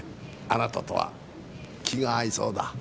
あなたとは気が合いそうだ。